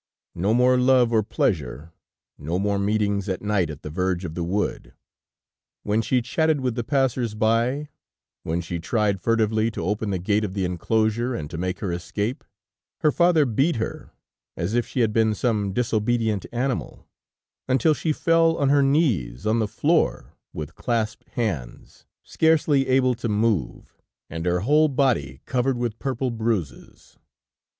No more love or pleasure, no more meetings at night at the verge of the wood. When she chatted with the passers by, when she tried furtively to open the gate of the enclosure and to make her escape, her father beat her as if she had been some disobedient animal, until she fell on her knees on the floor with clasped hands, scarcely able to move and her whole body covered with purple bruises.